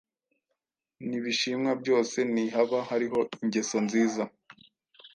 n’ibishimwa byose, nihaba hariho ingeso nziza,